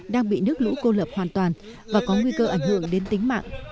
đang bị nước lũ cô lập hoàn toàn và có nguy cơ ảnh hưởng đến tính mạng